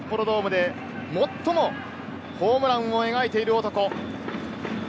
札幌ドームで最もホームランを描いている男。